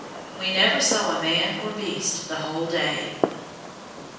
We never saw man or beast the whole day.